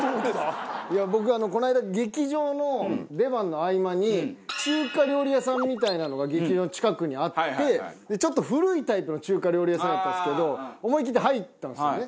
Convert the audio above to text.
僕この間劇場の出番の合間に中華料理屋さんみたいなのが劇場の近くにあってちょっと古いタイプの中華料理屋さんやったんですけど思い切って入ったんですよね。